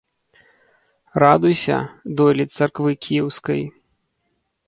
Радуйся, дойлід Царквы Кіеўскай